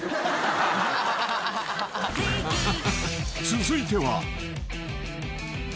［続いては］